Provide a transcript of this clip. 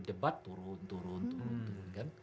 debat turun turun turun